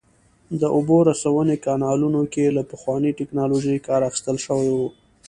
د اوبو رسونې کانالونو کې له پخوانۍ ټکنالوژۍ کار اخیستل شوی و